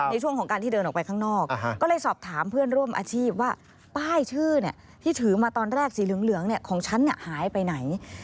ในช่วงของการที่เดินออกไปข้างนอกก็เลยสอบถามเพื่อนร่วมอาชีพว่าป้ายชื่อที่ถือมาตอนแรกสีเหลืองของฉันหายไปไหน